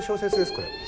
これ。